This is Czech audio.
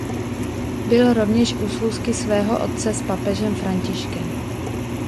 Byl rovněž u schůzky svého otce s papežem Františkem.